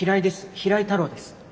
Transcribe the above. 平井太郎です。